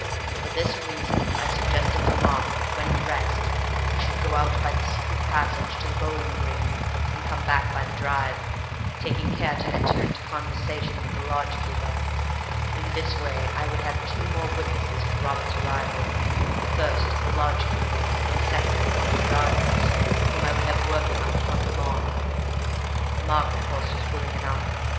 For this reason I suggested to Mark that, when dressed, he should go out by the secret passage to the bowling green, and come back by the drive, taking care to enter into conversation with the lodge keeper. In this way I would have two more witnesses of Robert's arrival—first the lodge keeper, and secondly one of the gardeners whom I would have working on the front lawn. Mark, of course, was willing enough.